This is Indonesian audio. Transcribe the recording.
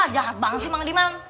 jahat banget sih mang limang